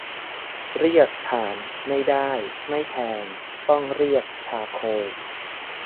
เรียก ถ่าน ไม่ได้ ไม่แพง ต้องเรียก ชาร์โคล